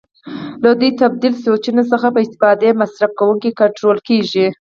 له دوو تبدیل سویچونو څخه په استفادې مصرف کوونکی کنټرول کېږي.